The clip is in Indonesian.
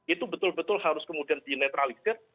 itu betul betul harus kemudian dinetralisir